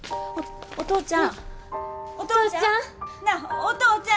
お父ちゃん！